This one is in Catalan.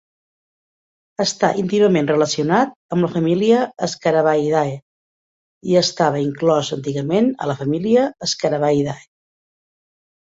Està íntimament relacionat amb la família Scarabaeidae i estava inclòs antigament a la família Scarabaeidae.